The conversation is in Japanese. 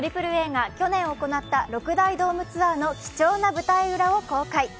ＡＡＡが去年行った、６大ドームツアーの貴重な舞台裏を公開。